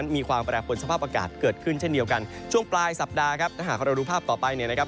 มีความแปรปนสภาพอากาศเกิดขึ้นเช่นเดียวกันช่วงปลายสัปดาห์ครับถ้าหากเราดูภาพต่อไปเนี่ยนะครับ